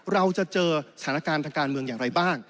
เราจะเจอสถานการณ์ทางการเมืองอย่างไรบ้าง